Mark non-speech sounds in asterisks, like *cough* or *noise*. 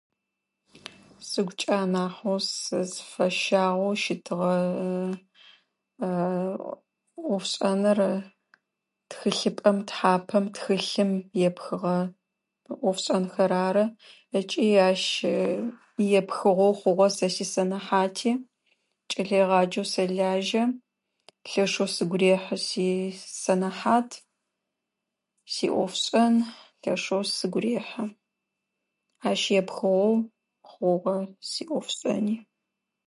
Сыгукӏэ анахьэу сызфэшагъо щытыгъэ *hesitation* *hesitation* ӏофшӏэныр тхылъыпэм тапэм тхылъым епхыгъэ ӏофшӏэнхэр ары. Ыкӏи ащ епхыгъоу хъугъэ сэ сисэнэхьати, кӏэлэегъаджэу сэлажьэ. Лъэшъэу сигу рихьэ си сэнэхьат, сиӏофшӏэн лъэшъэу сигу рихьэ. Ащ епхыгъоу хъугъэ сиӏоф сфэяни.